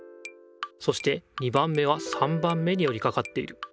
そして２番目は３番目によりかかっている。